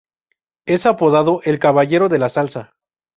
Es apodado "El Caballero de la Salsa".